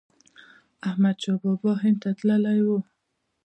احمد شاه بابا هند ته تللی و.